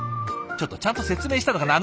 ちょっとちゃんと説明したのかな？